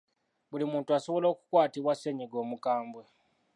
Buli muntu asobola okukwatibwa ssennyiga omukambwe.